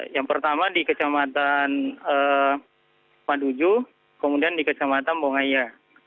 yang pertama di kecamatan maduju kemudian di kecamatan bongaya